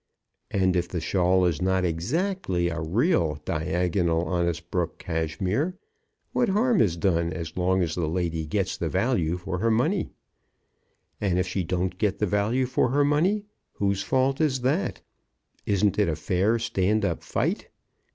And if the shawl is not exactly a real diagonal Osnabruck cashmere, what harm is done as long as the lady gets the value for her money? And if she don't get the value for her money, whose fault is that? Isn't it a fair stand up fight?